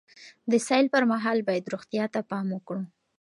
د سیل پر مهال باید روغتیا ته پام وکړو.